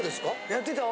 やってた。